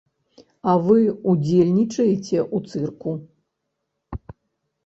А вы ўдзельнічаеце ў цырку.